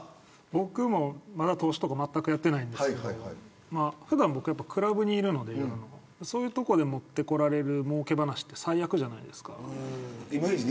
僕も、まだ投資とかまったくやっていないんですけど僕、普段クラブにいるのでそういう所に持ってこられるもうけ話って最悪じゃないですか。